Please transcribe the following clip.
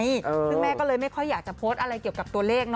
ซึ่งแม่ก็เลยไม่ค่อยอยากจะโพสต์อะไรเกี่ยวกับตัวเลข